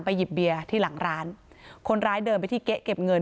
หยิบเบียร์ที่หลังร้านคนร้ายเดินไปที่เก๊ะเก็บเงิน